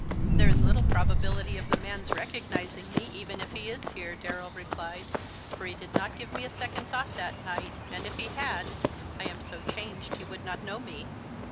"There is little probability of the man's recognizing me, even if he is here," Darrell replied, "for he did not give me a second thought that night, and if he had, I am so changed he would not know me."